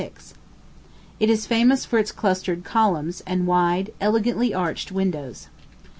It is famous for its clustered columns, and wide, elegantly arched windows.